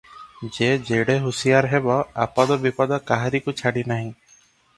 ଯେ ଯେଡ଼େ ହୁସିଆର ହେବ, ଆପଦ ବିପଦ କାହାରିକୁ ଛାଡ଼ିନାହିଁ ।